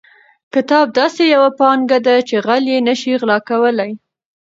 کتاب داسې یوه پانګه ده چې غل یې نشي غلا کولی.